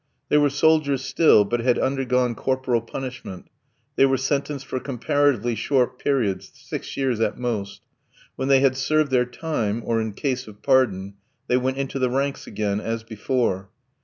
They were soldiers still, but had undergone corporal punishment; they were sentenced for comparatively short periods, six years at most; when they had served their time, or in case of pardon, they went into the ranks again, as before.